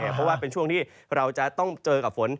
เพราะว่าเป็นช่วงที่เราจะต้องเจอกับฝน